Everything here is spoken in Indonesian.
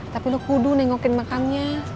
tapi lu kudu nengokin makamnya